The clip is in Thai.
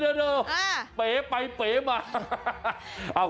เดี๋ยวเป๋ไปเป๋มา